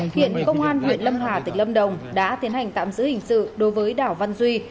hiện công an huyện lâm hà tỉnh lâm đồng đã tiến hành tạm giữ hình sự đối với đảo văn duy